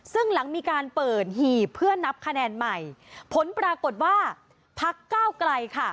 ซึ่งหลังมีการเปิดหีบเพื่อนับคะแนนใหม่ผลปรากฏว่าพักเก้าไกลค่ะ